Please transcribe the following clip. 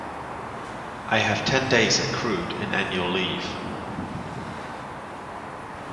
I have ten days accrued in annual leave.